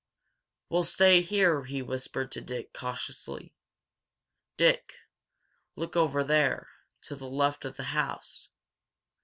"We'll stay here," he whispered to Dick, cautiously. "Dick, look over there to the left of the house.